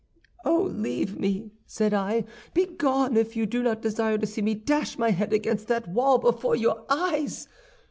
"'Oh, leave me!' said I. 'Begone, if you do not desire to see me dash my head against that wall before your eyes!